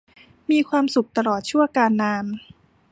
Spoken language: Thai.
มีความสุขตลอดชั่วกาลนาน